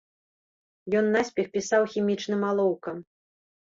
Ён наспех пісаў хімічным алоўкам.